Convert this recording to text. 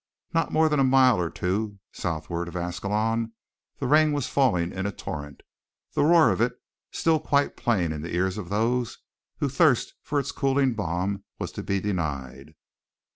Not more than a mile or two southward of Ascalon the rain was falling in a torrent, the roar of it still quite plain in the ears of those whose thirst for its cooling balm was to be denied.